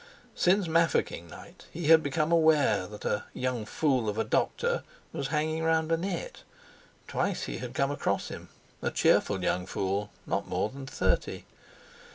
Since Mafeking night he had become aware that a "young fool of a doctor" was hanging round Annette. Twice he had come across him—a cheerful young fool, not more than thirty.